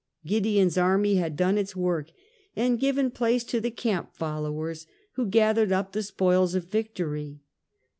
Gideon's army had done its work, and given place to the camp followers, who gathered up the spoils of victory.